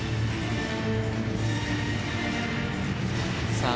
さあ